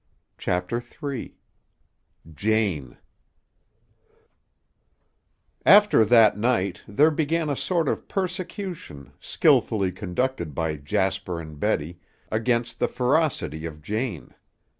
CHAPTER III JANE After that night, there began a sort of persecution, skillfully conducted by Jasper and Betty, against the ferocity of Jane.